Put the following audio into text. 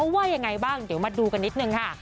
ว่ายังไงบ้างเดี๋ยวมาดูกันนิดนึงค่ะ